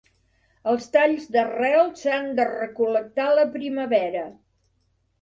Els talls d'arrel s'han de recol·lectar a la primavera.